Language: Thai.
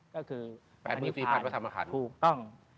ก็คือแปดมือภาพพระธรรมฮันต์ถูกต้อง